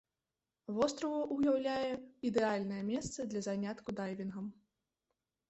Востраў уяўляе ідэальнае месца для занятку дайвінгам.